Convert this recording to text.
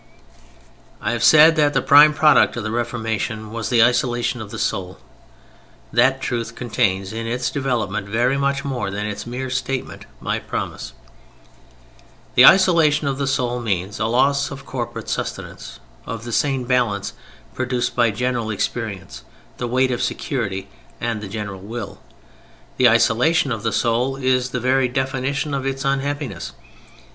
_" I have said that the prime product of the Reformation was the isolation of the soul. That truth contains, in its development, very much more than its mere statement might promise. The isolation of the soul means a loss of corporate sustenance; of the sane balance produced by general experience, the weight of security, and the general will. The isolation of the soul is the very definition of its unhappiness.